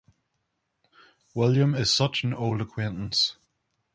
William is such an old acquaintance!